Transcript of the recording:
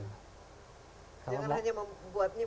jangan hanya membuatnya